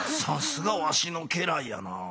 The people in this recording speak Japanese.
さすがわしの家来やな。